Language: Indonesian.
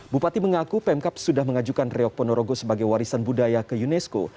bupati mengaku pemkap sudah mengajukan reok ponorogo sebagai warisan budaya ke unesco